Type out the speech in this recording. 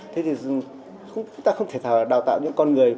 thế thì chúng ta không thể đào tạo những con người